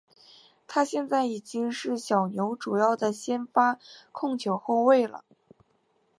他现在已经是小牛主要的先发控球后卫了。